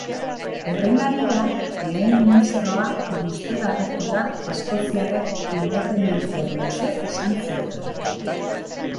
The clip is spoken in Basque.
Horren harira, lehen ministroa gustura agertu da eskoziarrek independentziari ezetz esan ziotelako.